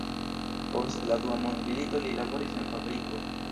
Post la dua mondmilito, li laboris en fabriko.